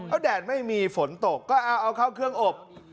เอาแดดไม่มีฝนตกก็เอาเข้าเครื่องอบ